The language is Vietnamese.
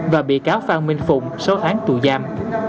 và bị cáo phan minh phụng sáu tháng tù giam